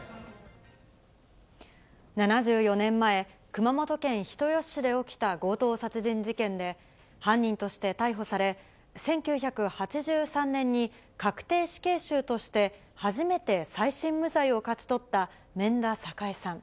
７４年前、熊本県人吉市で起きた強盗殺人事件で、犯人として逮捕され、１９８３年に確定死刑囚として初めて再審無罪を勝ち取った免田栄さん。